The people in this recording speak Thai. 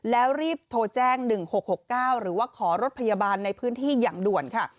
แล้วรีบโทรแจ้ง๑๖๖๙หรือว่าขอรถพยาบาลในพื้นที่อย่างด่วนค่ะ